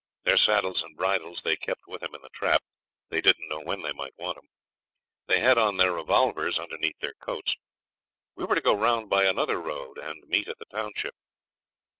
Their saddles and bridles they kept with 'em in the trap; they didn't know when they might want them. They had on their revolvers underneath their coats. We were to go round by another road and meet at the township.